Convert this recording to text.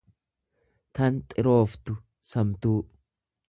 tan xirooftu, samtuu.